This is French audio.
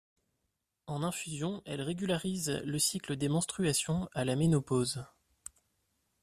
En infusion, elle régularise le cycle des menstruations à la ménopause.